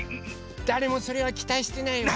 だれもそれはきたいしてないよ。